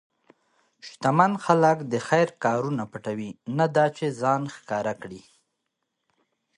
شتمن خلک د خیر کارونه پټوي، نه دا چې ځان ښکاره کړي.